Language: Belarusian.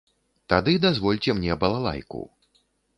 Тады дазвольце мне балалайку.